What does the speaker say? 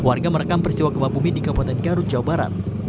warga merekam peristiwa gempa bumi di kabupaten garut jawa barat